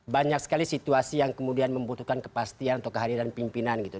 banyak sekali situasi yang kemudian membutuhkan kepastian atau kehadiran pimpinan gitu